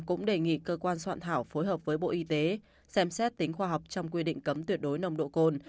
cũng đề nghị cơ quan soạn thảo phối hợp với bộ y tế xem xét tính khoa học trong quy định cấm tuyệt đối nồng độ cồn